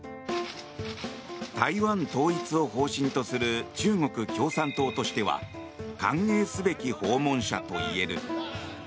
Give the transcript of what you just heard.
台湾統一を方針とする中国共産党としては歓迎すべき訪問者といえる。